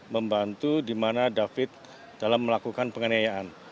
membantu di mana david dalam melakukan penganiayaan